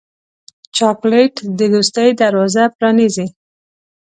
چاکلېټ د دوستۍ دروازه پرانیزي.